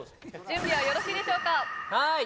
準備はよろしいでしょうかはーい！